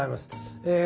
え